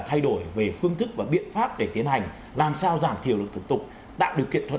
thay đổi về phương thức và biện pháp để tiến hành làm sao giảm thiểu được thủ tục tạo điều kiện thuận